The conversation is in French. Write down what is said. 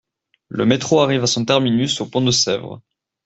Le métro arrive à son terminus au pont de Sèvres.